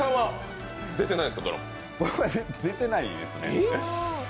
僕は出てないですね。